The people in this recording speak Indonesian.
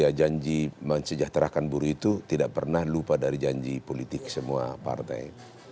ya janji mensejahterakan buruh itu tidak pernah lupa dari janji politik semua partai